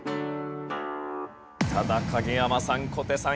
ただ影山さん小手さん